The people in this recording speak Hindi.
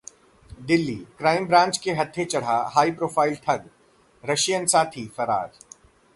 दिल्लीः क्राइम ब्रांच के हत्थे चढ़ा हाई प्रोफाइल ठग, रशियन साथी फरार